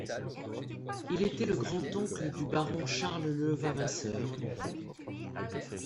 Il était le grand oncle du Baron Charles Levavasseur.